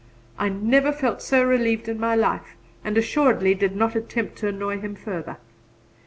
I never felt so relieved in my life, and assuredly did not attempt to annoy him further.